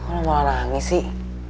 kok lo malah nangis sih